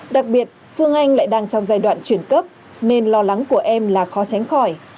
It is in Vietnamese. đặc biệt phương anh lại đang trong giai đoạn chuyển cấp nên lo lắng của em là khó tránh khỏi